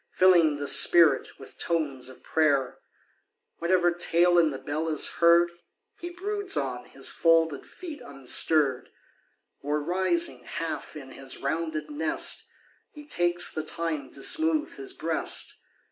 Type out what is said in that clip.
Filling the spirit with tones of prayer Whatever tale in the bell is heard, lie broods on his folded feet unstirr'd, Oi, rising half in his rounded nest. He takes the time to smooth his breast.